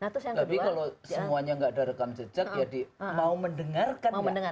tapi kalau semuanya nggak ada rekam jejak ya mau mendengarkan